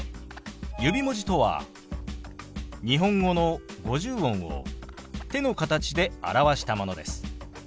指文字とは日本語の五十音を手の形で表したものです。